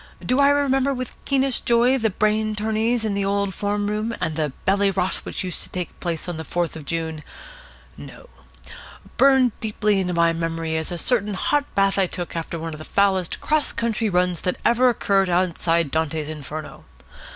Do I remember with the keenest joy the brain tourneys in the old form room, and the bally rot which used to take place on the Fourth of June? No. Burned deeply into my memory is a certain hot bath I took after one of the foulest cross country runs that ever occurred outside Dante's Inferno.